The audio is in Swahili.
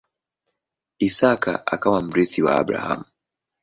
Isaka akawa mrithi wa Abrahamu.